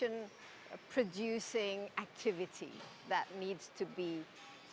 apa yang harus